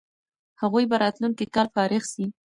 هغوی به راتلونکی کال فارغ سي.